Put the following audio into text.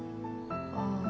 ああ。